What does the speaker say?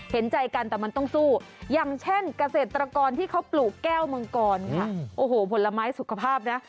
เห็นใจกันแต่มันต้องสู้อย่างเช่นเกษตรกรที่เขาปลูกแก้วมังกรค่ะโอ้โหผลไม้สุขภาพนะ